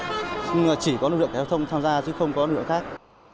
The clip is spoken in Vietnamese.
nhưng chỉ có lực lượng giao thông tham gia chứ không có lực lượng khác